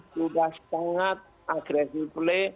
sudah sangat agresif